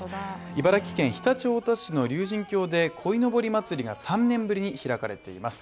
茨城県常陸太田市の竜神峡で鯉のぼりまつりが３年ぶりに開かれています